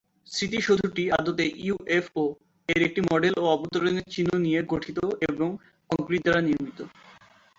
স্মৃতিসৌধটি আদতে ইউএফও এর একটি মডেল ও অবতরণের চিহ্ন নিয়ে গঠিত এবং কংক্রিট দ্বারা নির্মিত।